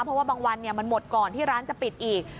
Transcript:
เพราะว่าบางวันมันหมดก่อนที่ร้านจะปิดอีก